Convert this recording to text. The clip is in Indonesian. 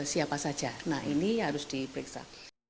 siapa saja nah ini harus diperiksa